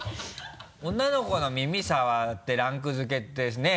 女の子の耳触ってランクづけってねぇ。